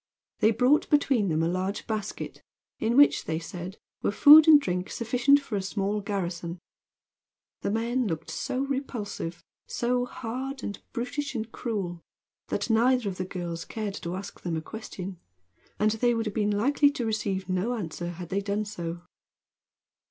They brought between them a large basket, in which, they said, were food and drink sufficient for a small garrison. The men looked so repulsive, so hard and brutish and cruel, that neither of the girls cared to ask them a question; and they would have been likely to receive no answer had they done so.